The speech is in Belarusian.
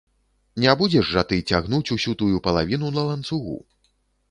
Не будзеш жа ты цягнуць усю тую палавіну на ланцугу.